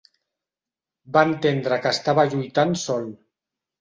Va entendre que estava lluitant sol.